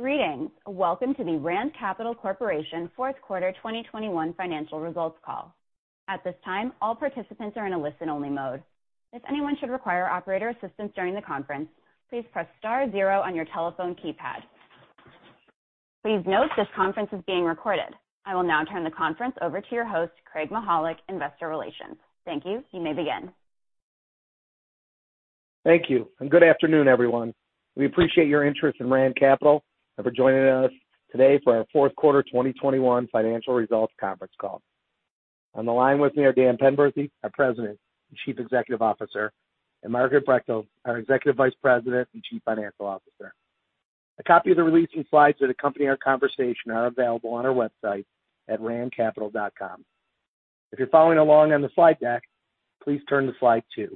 Greetings. Welcome to the Rand Capital Corporation Fourth Quarter 2021 Financial Results Call. At this time, all participants are in a listen-only mode. If anyone should require operator assistance during the conference, please press star zero on your telephone keypad. Please note this conference is being recorded. I will now turn the conference over to your host, Craig Mychajluk, Investor Relations. Thank you. You may begin. Thank you, and good afternoon, everyone. We appreciate your interest in Rand Capital and for joining us today for our fourth quarter 2021 financial results conference call. On the line with me are Dan Penberthy, our President and Chief Executive Officer, and Margaret Brechtel, our Executive Vice President and Chief Financial Officer. A copy of the release and slides that accompany our conversation are available on our website at randcapital.com. If you're following along on the slide deck, please turn to Slide 2,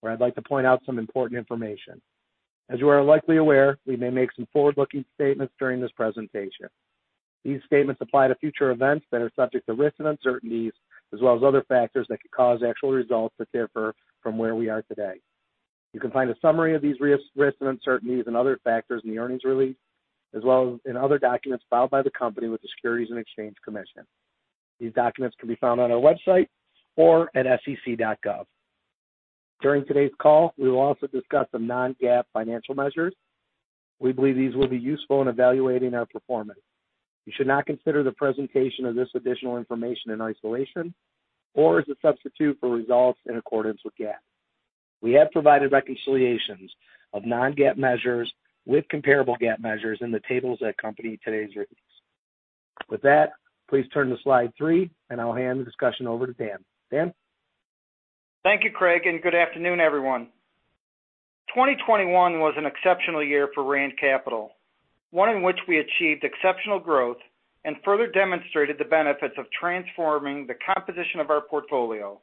where I'd like to point out some important information. As you are likely aware, we may make some forward-looking statements during this presentation. These statements apply to future events that are subject to risks and uncertainties, as well as other factors that could cause actual results to differ from where we are today. You can find a summary of these risks and uncertainties and other factors in the earnings release, as well as in other documents filed by the company with the Securities and Exchange Commission. These documents can be found on our website or at sec.gov. During today's call, we will also discuss some non-GAAP financial measures. We believe these will be useful in evaluating our performance. You should not consider the presentation of this additional information in isolation or as a substitute for results in accordance with GAAP. We have provided reconciliations of non-GAAP measures with comparable GAAP measures in the tables that accompany today's release. With that, please turn to Slide 3, and I'll hand the discussion over to Dan. Dan? Thank you, Craig, and good afternoon, everyone. 2021 was an exceptional year for Rand Capital, one in which we achieved exceptional growth and further demonstrated the benefits of transforming the composition of our portfolio.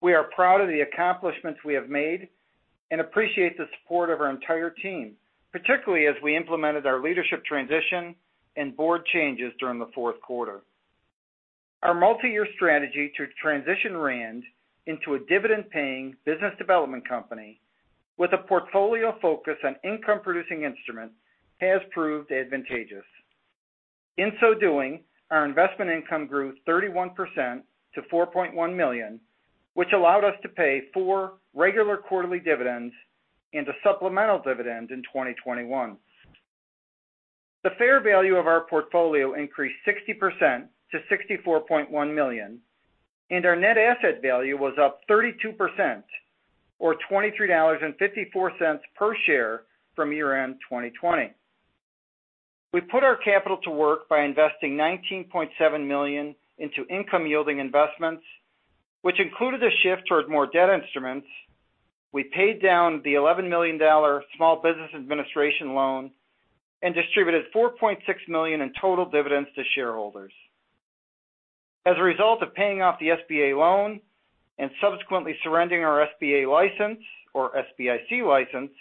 We are proud of the accomplishments we have made and appreciate the support of our entire team, particularly as we implemented our leadership transition and board changes during the fourth quarter. Our multi-year strategy to transition Rand Capital into a dividend-paying business development company with a portfolio focus on income-producing instruments has proved advantageous. In so doing, our investment income grew 31% to $4.1 million, which allowed us to pay four regular quarterly dividends and a supplemental dividend in 2021. The fair value of our portfolio increased 60% to $64.1 million, and our net asset value was up 32% or $23.54 per share from year-end 2020. We put our capital to work by investing $19.7 million into income-yielding investments, which included a shift towards more debt instruments. We paid down the $11 million Small Business Administration loan and distributed $4.6 million in total dividends to shareholders. As a result of paying off the SBA loan and subsequently surrendering our SBA license or SBIC license,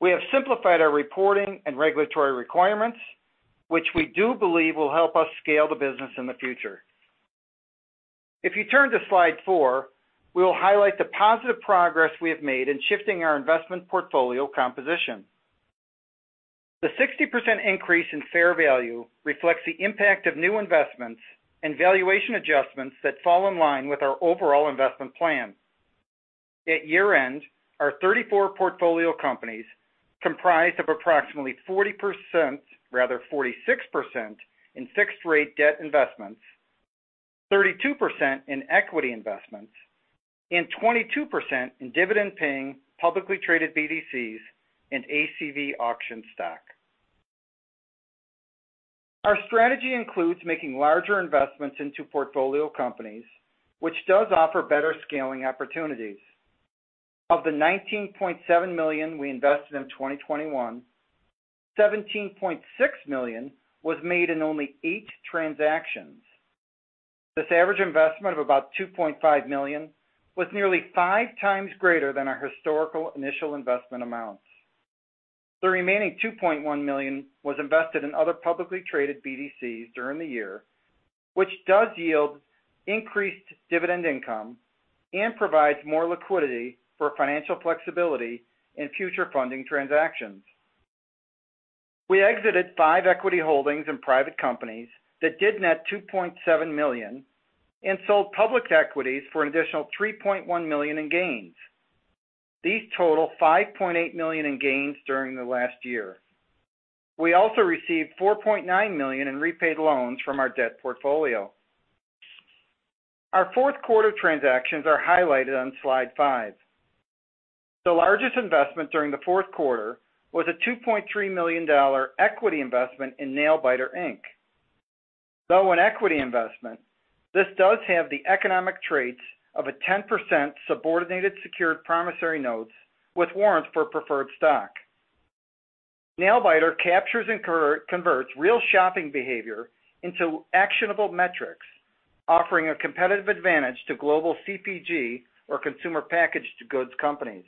we have simplified our reporting and regulatory requirements, which we do believe will help us scale the business in the future. If you turn to Slide 4, we will highlight the positive progress we have made in shifting our investment portfolio composition. The 60% increase in fair value reflects the impact of new investments and valuation adjustments that fall in line with our overall investment plan. At year-end, our 34 portfolio companies comprised of approximately 46% in fixed rate debt investments, 32% in equity investments, and 22% in dividend-paying publicly traded BDCs and ACV Auctions stock. Our strategy includes making larger investments into portfolio companies, which does offer better scaling opportunities. Of the $19.7 million we invested in 2021, $17.6 million was made in only eight transactions. This average investment of about $2.5 million was nearly 5x greater than our historical initial investment amounts. The remaining $2.1 million was invested in other publicly traded BDCs during the year, which does yield increased dividend income and provides more liquidity for financial flexibility in future funding transactions. We exited five equity holdings in private companies that did net $2.7 million and sold public equities for an additional $3.1 million in gains. These total $5.8 million in gains during the last year. We also received $4.9 million in repaid loans from our debt portfolio. Our fourth quarter transactions are highlighted on Slide 5. The largest investment during the fourth quarter was a $2.3 million equity investment in Nailbiter, Inc. Though an equity investment, this does have the economic traits of a 10% subordinated secured promissory notes with warrants for preferred stock. Nailbiter captures and converts real shopping behavior into actionable metrics, offering a competitive advantage to global CPG or consumer packaged goods companies.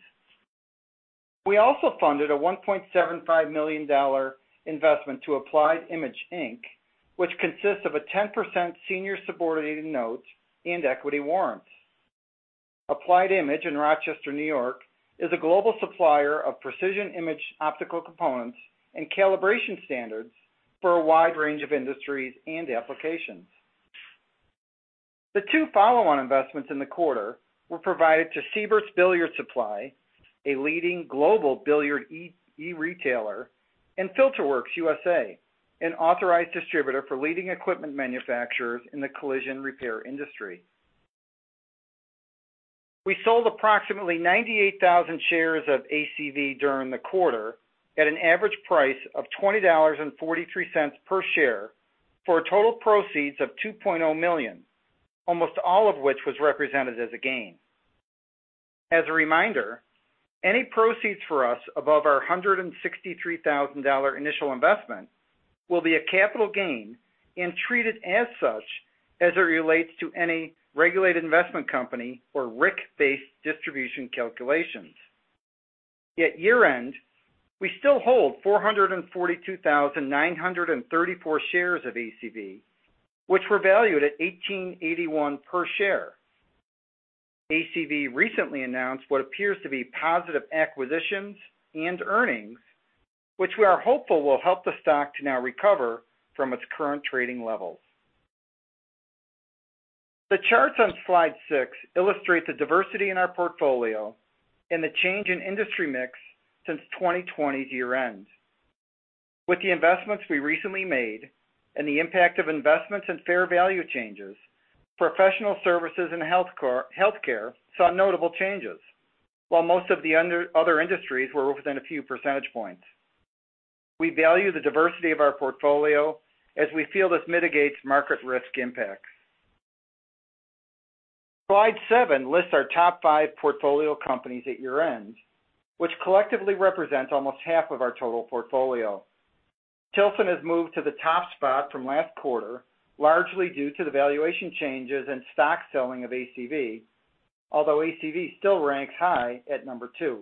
We also funded a $1.75 million investment to Applied Image, Inc., which consists of a 10% senior subordinating note and equity warrants. Applied Image in Rochester, New York, is a global supplier of precision optical components and calibration standards for a wide range of industries and applications. The two follow-on investments in the quarter were provided to Seybert's Billiard Supply, a leading global billiard e-retailer, and FilterWorks USA, an authorized distributor for leading equipment manufacturers in the collision repair industry. We sold approximately 98,000 shares of ACV during the quarter at an average price of $20.43 per share for total proceeds of $2.0 million, almost all of which was represented as a gain. As a reminder, any proceeds for us above our $163,000 initial investment will be a capital gain and treated as such as it relates to any regulated investment company or RIC-based distribution calculations. At year-end, we still hold 442,934 shares of ACV, which were valued at $18.81 per share. ACV recently announced what appears to be positive acquisitions and earnings, which we are hopeful will help the stock to now recover from its current trading levels. The charts on Slide 6 illustrate the diversity in our portfolio and the change in industry mix since 2020 year-end. With the investments we recently made and the impact of investments and fair value changes, professional services and healthcare saw notable changes, while most of the other industries were within a few percentage points. We value the diversity of our portfolio as we feel this mitigates market risk impacts. Slide 7 lists our top five portfolio companies at year-end, which collectively represent almost half of our total portfolio. Tilson has moved to the top spot from last quarter, largely due to the valuation changes and stock selling of ACV, although ACV still ranks high at number two.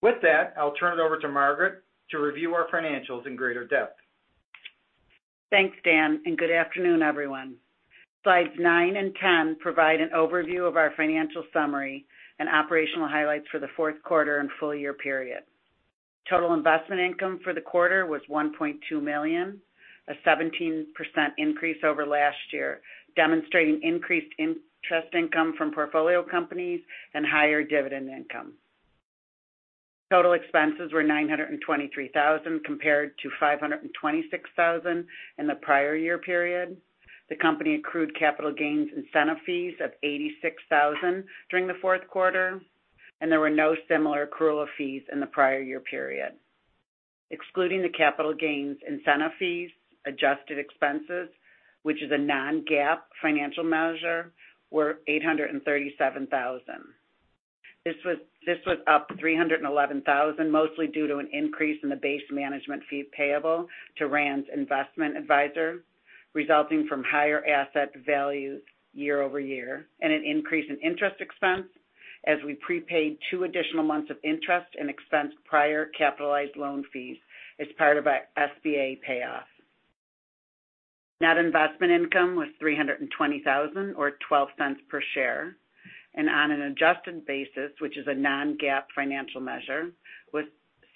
With that, I'll turn it over to Margaret to review our financials in greater depth. Thanks, Dan, and good afternoon, everyone. Slides 9 and 10 provide an overview of our financial summary and operational highlights for the fourth quarter and full year period. Total investment income for the quarter was $1.2 million, a 17% increase over last year, demonstrating increased interest income from portfolio companies and higher dividend income. Total expenses were $923,000 compared to $526,000 in the prior year period. The company accrued capital gains incentive fees of $86,000 during the fourth quarter, and there were no similar accrual of fees in the prior year period. Excluding the capital gains incentive fees, adjusted expenses, which is a non-GAAP financial measure, were $837,000. This was up $311,000, mostly due to an increase in the base management fee payable to Rand's investment advisor, resulting from higher asset values year-over-year and an increase in interest expense as we prepaid two additional months of interest and expensed prior capitalized loan fees as part of our SBA payoff. Net investment income was $320,000 or $0.12 per share, and on an adjusted basis, which is a non-GAAP financial measure, was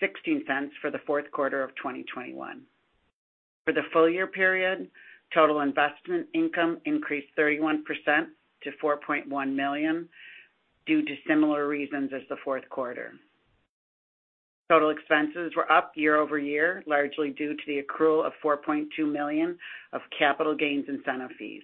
$0.16 for the fourth quarter of 2021. For the full year period, total investment income increased 31% to $4.1 million due to similar reasons as the fourth quarter. Total expenses were up year-over-year, largely due to the accrual of $4.2 million of capital gains incentive fees.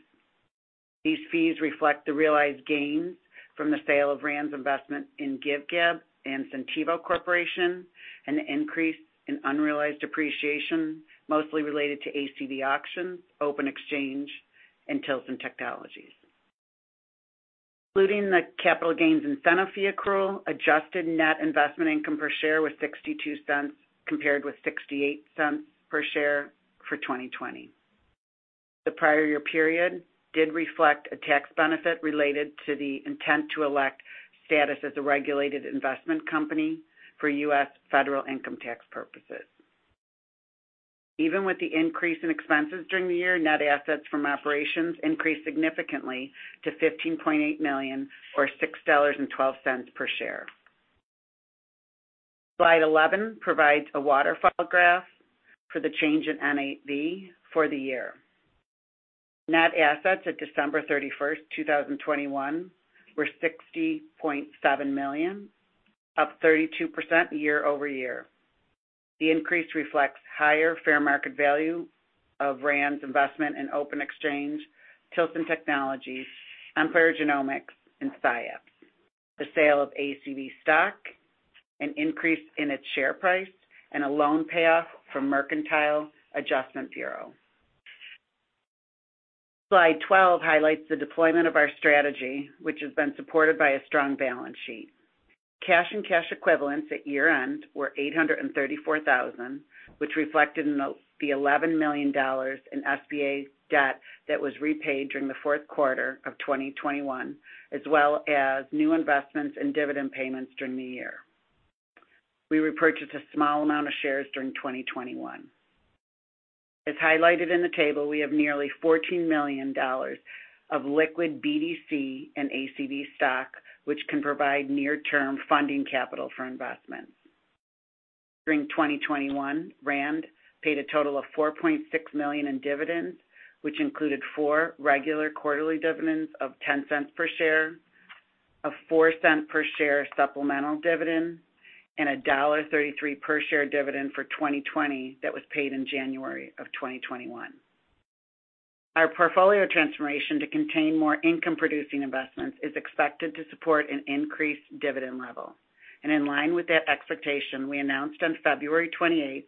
These fees reflect the realized gains from the sale of RAND's investment in GiveGab and Centivo Corporation, and the increase in unrealized appreciation, mostly related to ACV Auctions, OpenExchange, and Tilson Technology. Excluding the capital gains incentive fee accrual, adjusted net investment income per share was $0.62, compared with $0.68 per share for 2020. The prior year period did reflect a tax benefit related to the intent to elect status as a regulated investment company for U.S. federal income tax purposes. Even with the increase in expenses during the year, net assets from operations increased significantly to $15.8 million or $6.12 per share. Slide 11 provides a waterfall graph for the change in NAV for the year. Net assets at December 31st, 2021 were $60.7 million, up 32% year-over-year. The increase reflects higher fair market value of RAND's investment in OpenExchange, Tilson Technology Management, Empire Genomics, and SciAps, the sale of ACV stock, an increase in its share price, and a loan payoff from Mercantile Adjustment Bureau. Slide 12 highlights the deployment of our strategy, which has been supported by a strong balance sheet. Cash and cash equivalents at year-end were $834,000, which reflected in the $11 million in SBA debt that was repaid during the fourth quarter of 2021, as well as new investments in dividend payments during the year. We repurchased a small amount of shares during 2021. As highlighted in the table, we have nearly $14 million of liquid BDC and ACV stock, which can provide near-term funding capital for investments. During 2021, RAND paid a total of $4.6 million in dividends, which included 4 regular quarterly dividends of $0.10 per share, a $0.04 per share supplemental dividend, and a $1.33 per share dividend for 2020 that was paid in January 2021. Our portfolio transformation to contain more income-producing investments is expected to support an increased dividend level. In line with that expectation, we announced on February 28th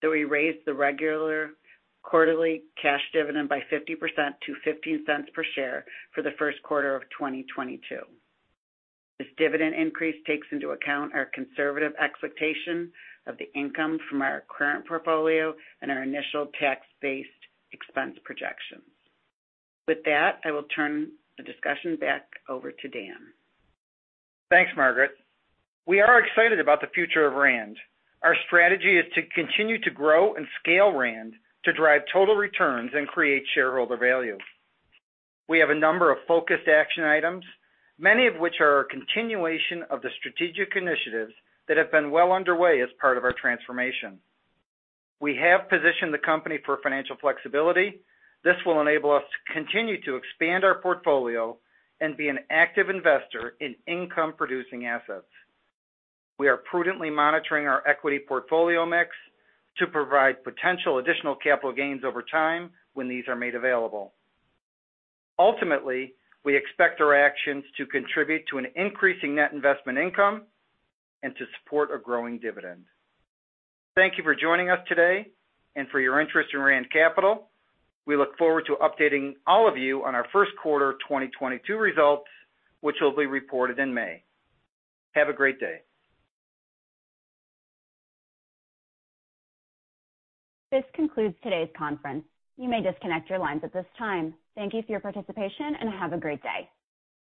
that we raised the regular quarterly cash dividend by 50% to $0.15 per share for the first quarter of 2022. This dividend increase takes into account our conservative expectation of the income from our current portfolio and our initial tax-based expense projections. With that, I will turn the discussion back over to Dan. Thanks, Margaret. We are excited about the future of RAND. Our strategy is to continue to grow and scale RAND to drive total returns and create shareholder value. We have a number of focused action items, many of which are a continuation of the strategic initiatives that have been well underway as part of our transformation. We have positioned the company for financial flexibility. This will enable us to continue to expand our portfolio and be an active investor in income-producing assets. We are prudently monitoring our equity portfolio mix to provide potential additional capital gains over time when these are made available. Ultimately, we expect our actions to contribute to an increasing net investment income and to support a growing dividend. Thank you for joining us today and for your interest in RAND Capital. We look forward to updating all of you on our first quarter 2022 results, which will be reported in May. Have a great day. This concludes today's conference. You may disconnect your lines at this time. Thank you for your participation, and have a great day.